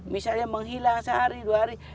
misalnya menghilang sehari dua hari